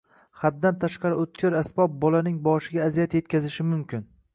Haddan tashqari o‘tkir asbob bolaning boshiga aziyat yetkazishi mumkin.